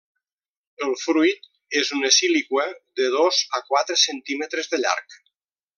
El fruit és una síliqua de dos a quatre centímetres de llarg.